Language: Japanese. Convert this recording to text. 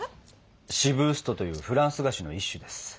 シブーストというフランス菓子の一種です。